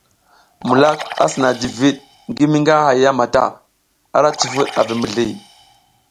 Mulak a sina jiviɗ ngi mi nga haya mata, ara cifud a vi mizli.